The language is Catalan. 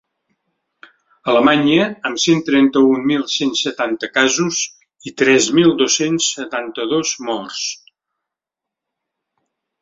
Alemanya, amb cent trenta-un mil cent setanta casos i tres mil dos-cents setanta-dos morts.